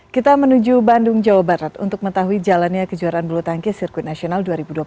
kita menuju bandung jawa barat untuk mengetahui jalannya kejuaraan bulu tangkis sirkuit nasional dua ribu dua puluh tiga